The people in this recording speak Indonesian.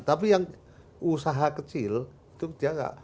tapi yang usaha kecil itu dia nggak